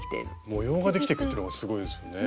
模様ができていくっていうのがすごいですよね。